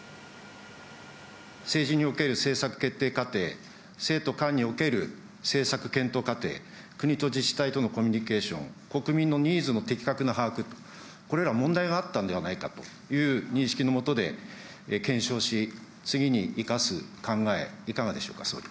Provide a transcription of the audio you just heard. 政治における政策決定過程、政と官における政策検討過程、国と自治体とのコミュニケーション、国民のニーズの的確な把握、これら、問題があったんではないかという認識の下で検証し、次に生かす考え、いかがでしょうか、総理。